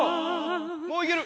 もういける・